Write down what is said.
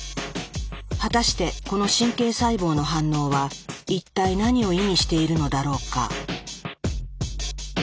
果たしてこの神経細胞の反応は一体何を意味しているのだろうか？